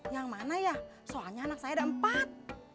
yang mana ya soalnya anak saya ada empat